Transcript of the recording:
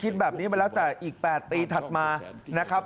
แต่อีก๘ปีถัดมานะครับ